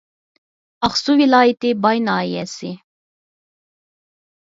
ئاقسۇ ۋىلايىتى باي ناھىيەسى